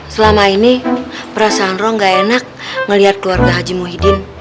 selama ini perasaan roh gak enak melihat keluarga haji muhyiddin